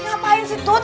ngapain sih tut